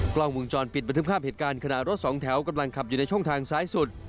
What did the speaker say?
กล้องวงจรปิดบันทึกภาพเหตุการณ์ขณะรถสองแถวกำลังขับอยู่ในช่องทางซ้ายสุด